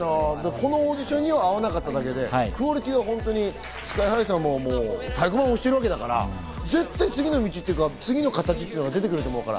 このオーディションには合わなかっただけで、クオリティーはＳＫＹ−ＨＩさんも太鼓判を押してるわけだから、絶対、次の道っていうか、次の形が出てくると思うから。